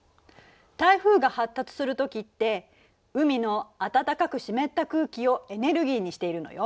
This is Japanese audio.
台風が発達する時って海の暖かく湿った空気をエネルギーにしているのよ。